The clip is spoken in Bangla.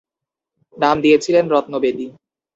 নাম দিয়েছিলেন রত্ন-বেদী।